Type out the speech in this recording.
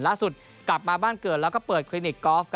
ล่าสุดกลับมาบ้านเกิดแล้วก็เปิดคลินิกกอล์ฟ